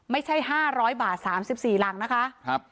ไม่ใช่๕๐๐บาท๓๔หลังนะคะ